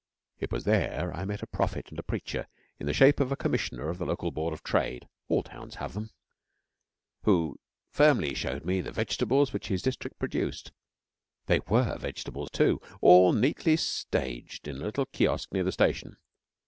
It was there I met a prophet and a preacher in the shape of a Commissioner of the Local Board of Trade (all towns have them), who firmly showed me the vegetables which his district produced. They were vegetables too all neatly staged in a little kiosk near the station.